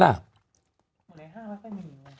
อยู่ในห้างแล้วก็ไม่มี